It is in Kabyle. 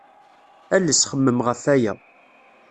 Ales xemmem ɣef waya.